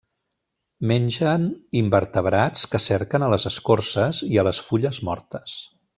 Mengen invertebrats que cerquen a les escorces i a les fulles mortes.